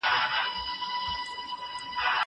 که وخت وي، ږغ اورم!